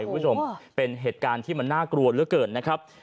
คุณผู้ชมเป็นเหตุการณ์ที่มันน่ากลัวเหลือเกินนะครับ